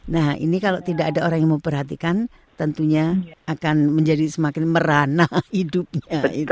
nah ini kalau tidak ada orang yang memperhatikan tentunya akan menjadi semakin merana hidupnya